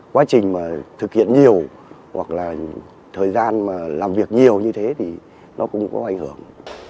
quá trình mà thực hiện nhiều hoặc là thời gian mà làm việc nhiều như thế thì nó cũng có ảnh hưởng